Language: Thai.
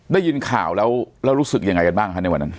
ได้ยินข่าวแล้วรู้สึกยังไงกันบ้างฮะในวันนั้น